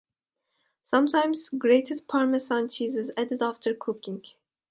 Sometimes grated Parmesan cheese is added after cooking.